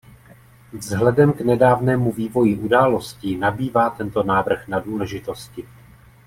Vzhledem k nedávnému vývoji událostí nabývá tento návrh na důležitosti.